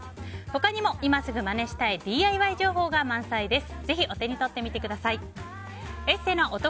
他にも今すぐまねしたいＤＩＹ情報が満載です。